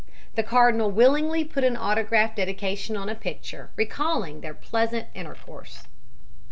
The cardinal willingly put an autograph dedication on a picture, recalling their pleasant intercourse.